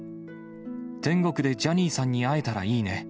天国でジャニーさんに会えたらいいね。